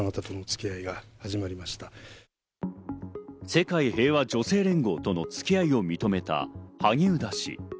世界平和女性連合との付き合いを認めた萩生田氏。